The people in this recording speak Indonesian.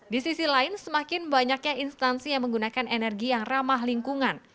di sisi lain semakin banyaknya instansi yang menggunakan energi yang ramah lingkungan